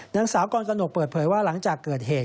นางสาวกรกนกเปิดเผยว่าหลังจากเกิดเหตุ